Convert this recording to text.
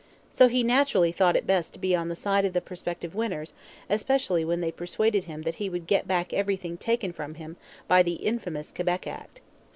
So he naturally thought it best to be on the side of the prospective winners, especially when they persuaded him that he would get back everything taken from him by 'the infamous Quebec Act.'